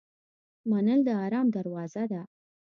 منل د آرام دروازه ده.